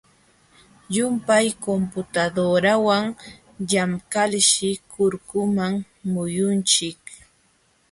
Llumpay computadorawan llamkalshi kurkuman muyunchik.